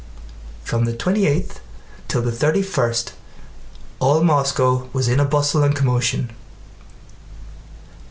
From the twenty eighth till the thirty first all Moscow was in a bustle and commotion.